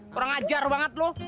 korang ajar banget lo